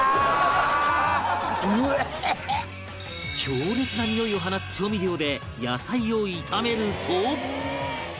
強烈なにおいを放つ調味料で野菜を炒めると